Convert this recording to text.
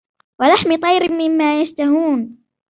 وَلَحْمِ طَيْرٍ مِّمَّا يَشْتَهُونَ